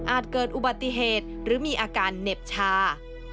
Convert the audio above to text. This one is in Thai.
เกิดอุบัติเหตุหรือมีอาการเหน็บชา